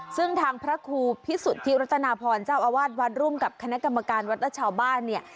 ซึ่งทางพระครูพิสุทธิรัตนาพรเจ้าอาวาสวัดร่วมกับคณะกรรมการวัดและชาวบ้านเนี่ย